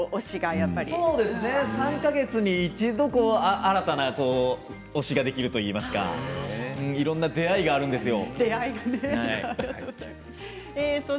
３か月に一度新たな推しできるといいますかいろんな出会いがあるんですよ。